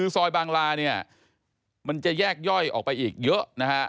ซอยบางลาจะแยกย่อยออกไปอีกเยอะ